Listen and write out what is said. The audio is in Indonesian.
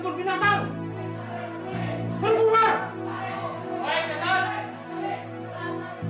kamu berani kamu hadapi mereka kalau saya lepaskan sekarang